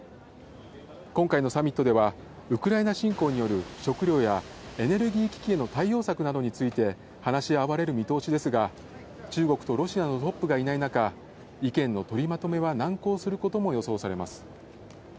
今回のサミットでは、ウクライナ侵攻による食料やエネルギー危機への対応策などについて話し合われる見通しですが、中国とロシアのトップがいない中、意見の取りまとめは難航することも予想されます。